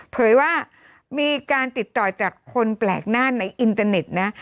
เผยว่ามีการติดต่อจากคนแปลกหน้าในอินเตอร์เน็ตนะ